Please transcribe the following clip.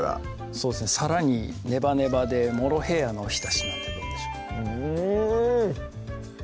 そうですねさらにネバネバでモロヘイヤのお浸しなんてどうでしょううん！